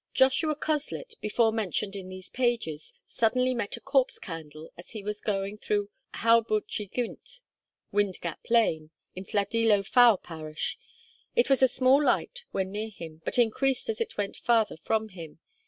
Joshua Coslet, before mentioned in these pages, suddenly met a Corpse Candle as he was going through Heol Bwlch y Gwynt, (Windgap Lane) in Llandilo Fawr parish. It was a small light when near him, but increased as it went farther from him.